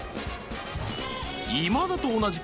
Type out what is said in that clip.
今田と同じく